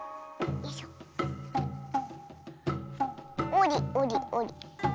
おりおりおり。